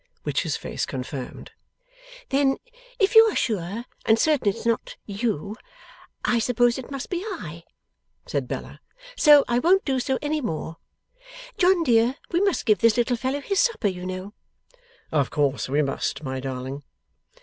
Which his face confirmed. 'Then if you are sure and certain it's not you, I suppose it must be I,' said Bella; 'so I won't do so any more. John dear, we must give this little fellow his supper, you know.' 'Of course we must, my darling.